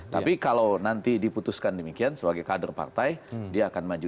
tapi kalau nanti diputuskan demikian sebagai kader partai dia akan maju